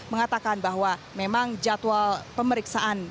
mengatakan bahwa memang jadwal pemeriksaan